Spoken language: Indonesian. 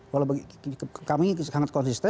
walau bagi kami sangat konsisten